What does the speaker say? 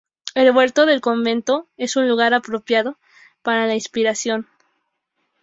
El huerto del convento es un lugar apropiado para la inspiración.